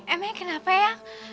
ema kenapa ea